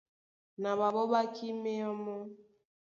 Na ɓaɓɔ́ ɓá kíméá mɔ́.